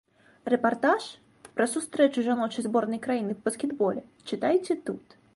Рэпартаж пра сустрэчу жаночай зборнай краіны па баскетболе чытайце тут.